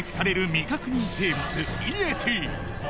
未確認生物イエティ